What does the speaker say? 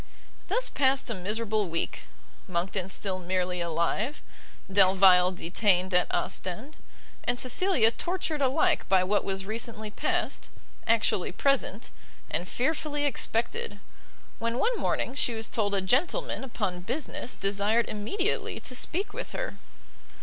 Thus passed a miserable week; Monckton still merely alive, Delvile detained at Ostend, and Cecilia tortured alike by what was recently passed, actually present, and fearfully expected; when one morning she was told a gentleman upon business desired immediately to speak with her.